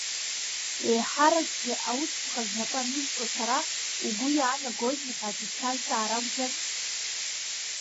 Еиҳа ракгьы Аусԥҟа знапы анызҵо сара, угәы иаанагозеи ҳәа аӡә дсазҵаар акәӡами?